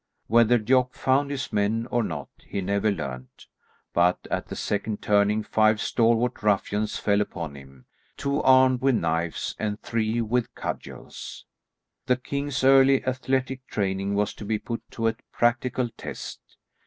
Whether Jock found his men or not he never learned, but at the second turning five stalwart ruffians fell upon him; two armed with knives, and three with cudgels. The king's early athletic training was to be put to a practical test.